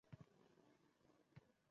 La Liga